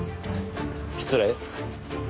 失礼。